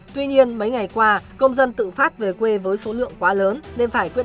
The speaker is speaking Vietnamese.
tuy nhiên mấy ngày qua công dân tự phát về quê với số lượng quá lớn